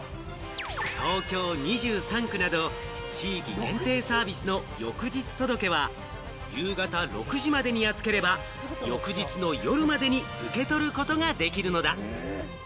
東京２３区など地域限定サービスの翌日届けは、夕方６時までに預ければ、翌日の夜までに受け取ることができるのだ。